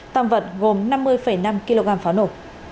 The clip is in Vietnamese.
tạm vận gồm năm mươi năm kg pháo nổ